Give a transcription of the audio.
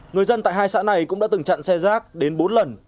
người dân tại hai xã này cũng đã từng chặn xe rác đến bốn lần